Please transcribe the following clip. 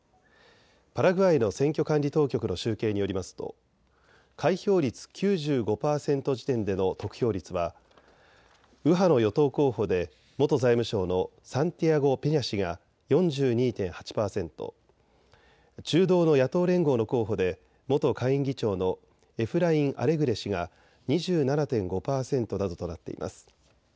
パラグアイの選挙管理当局の集計によりますと開票率９５％時点での得票率は右派の与党候補で元財務相のサンティアゴ・ペニャ氏が４２．８％、中道の野党連合の候補で元下院議長のエフライン・アレグレ氏が２７．５％などとなっています。